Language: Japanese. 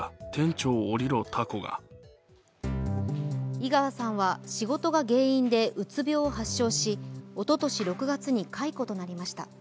井川さんは仕事が原因でうつ病を発症し、おととし６月に解雇となりました。